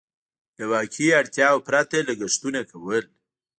له واقعي اړتياوو پرته لګښتونه کول.